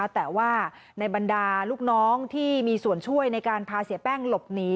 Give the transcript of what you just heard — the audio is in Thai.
แต่ว่าในบรรดาลูกน้องที่มีส่วนช่วยในการพาเสียแป้งหลบหนี